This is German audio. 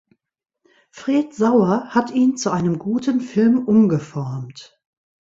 Fred Sauer hat ihn zu einem guten Film umgeformt.